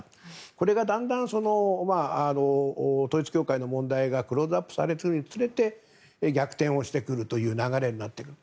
これがだんだん統一教会の問題がクローズアップされるにつれて逆転をしてくるという流れになってくる。